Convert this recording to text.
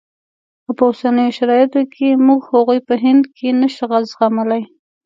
او په اوسنیو شرایطو کې موږ هغوی په هند کې نه شو زغملای.